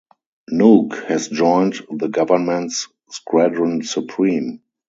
Nuke has joined the government's Squadron Supreme.